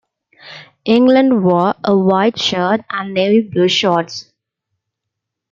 England wore a white shirt and navy blue shorts.